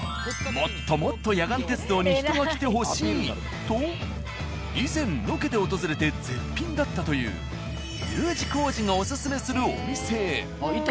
もっともっと野岩鉄道に人が来てほしいと以前ロケで訪れて絶品だったというＵ字工事がオススメするお店へ。